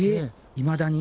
いまだに？